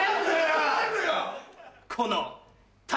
この。